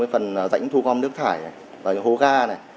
phần rãnh thu gom nước thải và hố ga này